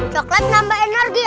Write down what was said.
coklat menambah energi